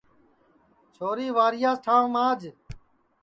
چھوری وارِیاس ٹھانٚو ماج